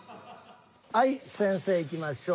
はい先生いきましょう。